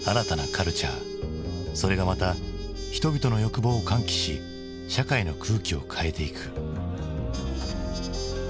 それがまた人々の欲望を喚起し社会の空気を変えていく。